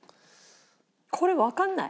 これわかんない。